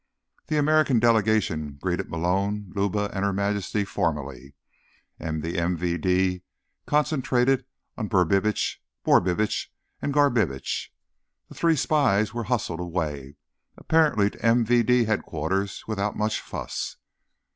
The American delegation greeted Malone, Luba and Her Majesty formally, and the MVD concentrated on Brubitsch, Borbitsch and Garbitsch. The three spies were hustled away, apparently to MVD Headquarters, without much fuss.